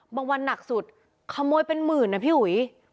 วันหนักสุดขโมยเป็นหมื่นนะพี่อุ๋ย